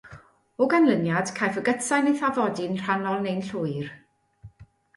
O ganlyniad, caiff y gytsain ei thafodoli'n rhannol neu'n llwyr.